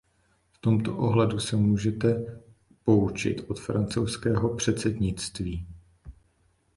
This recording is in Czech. V tomto ohledu se můžete poučit od francouzského předsednictví.